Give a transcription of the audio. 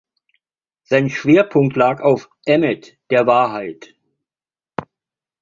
Sein Schwerpunkt lag auf "Emet", der Wahrheit.